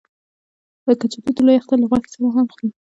کچالو د لوی اختر له غوښې سره هم خوري